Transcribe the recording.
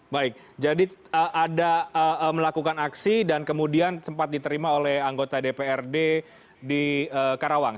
baik jadi ada melakukan aksi dan kemudian sempat diterima oleh anggota dprd di karawang